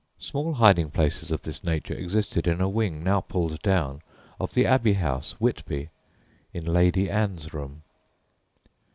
Small hiding places of this nature existed in a wing, now pulled down, of the Abbey House, Whitby (in "Lady Anne's Room").